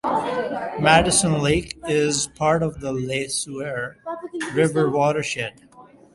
Madison Lake is part of the Le Sueur River watershed.